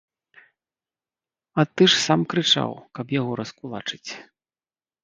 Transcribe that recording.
А ты ж сам крычаў, каб яго раскулачыць.